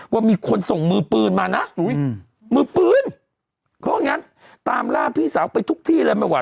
ว่ามีคนส่งมือปืนมานะมือปืนเขาว่างั้นตามล่าพี่สาวไปทุกที่เลยไม่ไหว